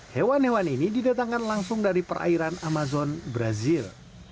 hewan hewan ini didatangkan langsung dari perairan amazon brazil